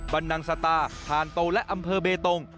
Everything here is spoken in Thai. บรรนังสตาพานโตและอำเภอเบตง